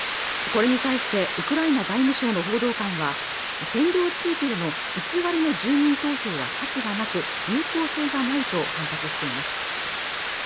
これに対してウクライナ外務省の報道官は占領地域での偽りの住民投票は価値がなく有効性がないと反発しています